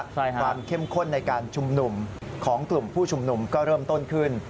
ใช่ค่ะความเข้มข้นในการชุมนุมของกลุ่มผู้ชุมนุมก็เริ่มต้นขึ้น